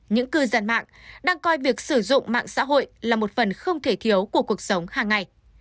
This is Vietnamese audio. những cư dân mạng đang coi việc sử dụng mạng xã hội là một phần không thể thiếu của cuộc sống hàng ngày